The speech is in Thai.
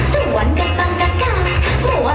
ชวนก็ต้องก็กล้า